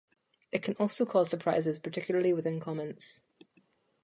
It can also cause surprises, particularly within comments.